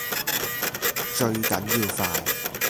最緊要快